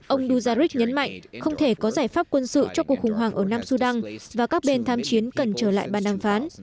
ông duzaric nhấn mạnh không thể có giải pháp quân sự cho cuộc khủng hoảng ở nam sudan và các bên tham chiến cần trở lại bàn đàm phán